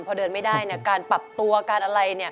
พอเดินไม่ได้การปรับตัวการอะไร